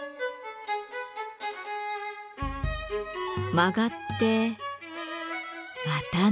曲がってまた上る。